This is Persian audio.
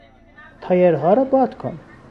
تایرها را باد کن.